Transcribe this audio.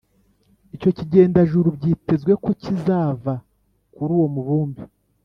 Icyo kigendajuru byitezwe ko kizava kuri uwo mubumbe